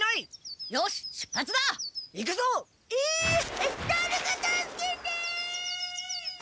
えっだれか助けて！